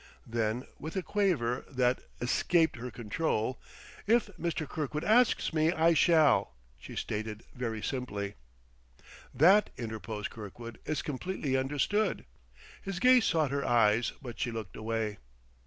Then, with a quaver that escaped her control, "If Mr. Kirkwood asks me, I shall," she stated very simply. "That," interposed Kirkwood, "is completely understood." His gaze sought her eyes, but she looked away.